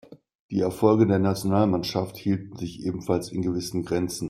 Die Erfolge der Nationalmannschaft hielten sich ebenfalls in gewissen Grenzen.